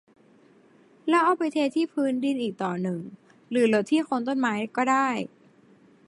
แล้วเอาไปเทที่พื้นดินอีกต่อหนึ่งหรือรดที่โคนต้นไม้ก็ได้